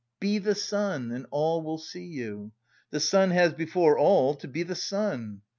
Be the sun and all will see you. The sun has before all to be the sun.